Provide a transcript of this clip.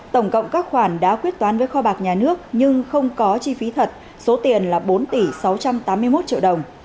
tổng cộng các khoản đã quyết toán với kho bạc nhà nước nhưng không có chi phí thật số tiền là bốn tỷ sáu trăm tám mươi một triệu đồng